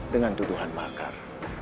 dengan tuduhan makar